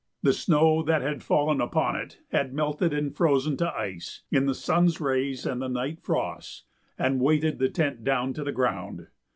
The snow that had fallen upon it had melted and frozen to ice, in the sun's rays and the night frosts, and weighed the tent down to the ground.